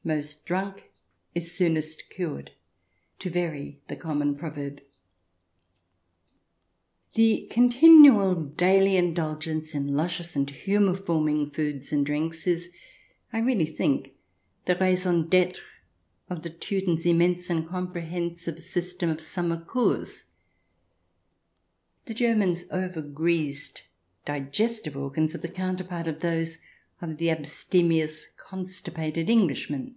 " Most drunk is soonest cured," to vary the common proverb. The continual daily indulgence in luscious and humour forming foods and drinks is, I really think, the raison detre of the Teuton's immense and com prehensive system of summer Kurs. The German's over greased digestive organs are the counterpart of those of the abstemious, constipated Englishman.